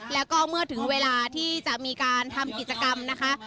แล้วก็เมื่อถึงเวลาที่จะมีการทำกิจกรรมนะคะ